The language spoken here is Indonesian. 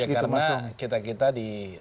karena kita kita di